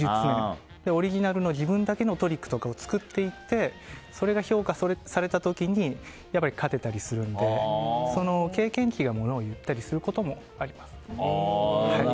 オリジナルの自分だけのトリックとかを作っていってそれが評価された時に勝てたりするので経験値が、ものを言ったりすることもあります。